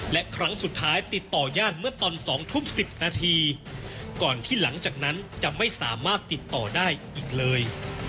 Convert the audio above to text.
และครั้งสุดท้ายติดต่อญาติเมื่อตอน๒ทุ่ม๑๐นาทีก่อนที่หลังจากนั้นจะไม่สามารถติดต่อได้อีกเลย